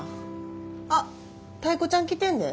あっタイ子ちゃん来てんで。